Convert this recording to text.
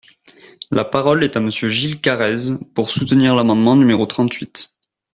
La parole est à Monsieur Gilles Carrez, pour soutenir l’amendement numéro trente-huit.